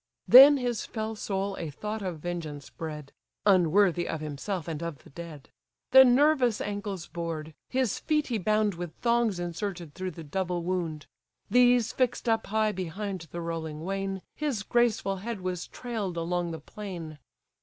Then his fell soul a thought of vengeance bred; (Unworthy of himself, and of the dead;) The nervous ancles bored, his feet he bound With thongs inserted through the double wound; These fix'd up high behind the rolling wain, His graceful head was trail'd along the plain.